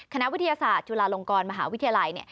คณะวิทยาศาสตร์จุฬาลงกรมหาวิทยาลัย